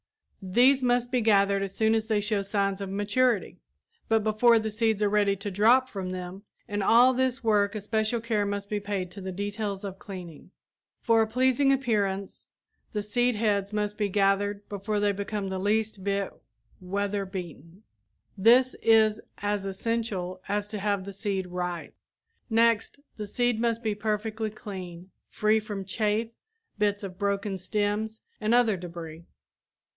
These must be gathered as soon as they show signs of maturity but before the seeds are ready to drop from them. In all this work especial care must be paid to the details of cleaning. For a pleasing appearance the seed heads must be gathered before they become the least bit weather beaten. This is as essential as to have the seed ripe. Next, the seed must be perfectly clean, free from chaff, bits of broken stems and other debris.